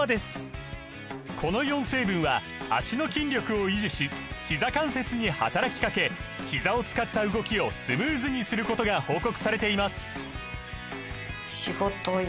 この４成分は脚の筋力を維持しひざ関節に働きかけひざを使った動きをスムーズにすることが報告されています